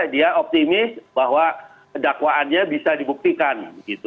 dia optimis bahwa dakwaannya bisa dibuktikan